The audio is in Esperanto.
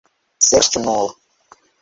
Ŝercu nur!